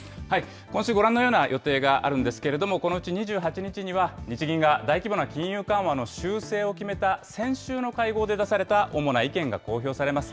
今週、ご覧のような予定があるんですけれども、このうち２８日には、日銀が大規模な金融緩和の修正を決めた先週の会合で出された主な意見が公表されます。